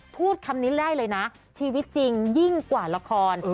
พูดคำนี้ได้เลยนะชีวิตจริงยิ่งกว่าละคร